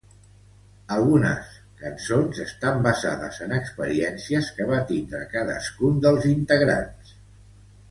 Algunes cançons estan basades en experiències que va tindre cadascun dels integrants.